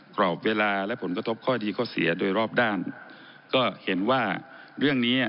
กรอบเวลาและผลกระทบข้อดีข้อเสียโดยรอบด้านก็เห็นว่าเรื่องนี้